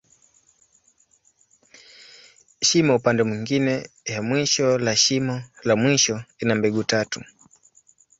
Shimo upande mwingine ya mwisho la shimo la mwisho, ina mbegu tatu.